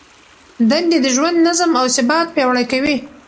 دندې د ژوند نظم او ثبات پیاوړی کوي.